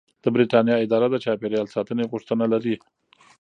د بریتانیا اداره د چاپیریال ساتنې غوښتنه لري.